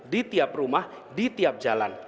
di tiap rumah di tiap jalan